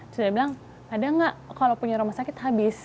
terus dia bilang ada nggak kalau punya rumah sakit habis